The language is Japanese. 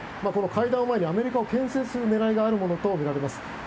この会談前にアメリカを牽制する狙いがあるものとみられます。